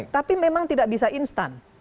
tapi memang tidak bisa instan